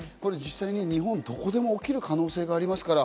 日本どこでも起きる可能性がありますから。